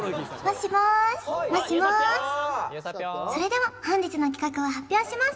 それでは本日の企画を発表します